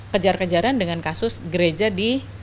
kejar kejaran dengan kasus gereja di